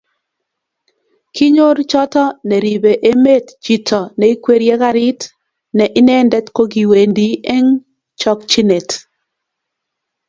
Kinyor choto neribe emet chito neigwerie karit ne inendet kokiwendi eng chokchinet